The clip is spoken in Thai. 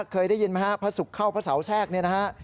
เคยได้ยินไหมฮะพระศุกร์เข้าพระเสาแทรกเนี่ยนะฮะ